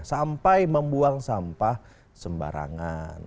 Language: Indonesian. sampai membuang sampah sembarangan